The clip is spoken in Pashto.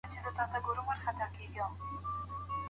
د محصلینو لیلیه په خپلواکه توګه نه اداره کیږي.